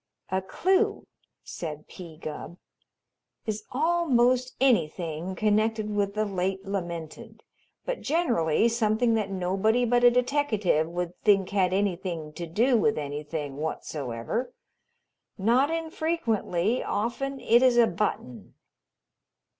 "A clue," said P. Gubb, "is almost anything connected with the late lamented, but generally something that nobody but a deteckative would think had anything to do with anything whatsoever. Not infrequently often it is a button."